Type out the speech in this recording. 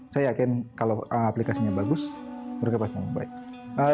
saya yakin kalau aplikasinya bagus mereka pasti mau bayar